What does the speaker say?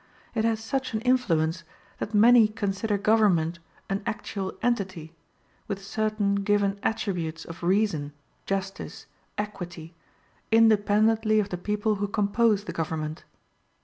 It has such an influence that many consider government an actual entity, with certain given attributes of reason, justice, equity, independently of the people who compose the government.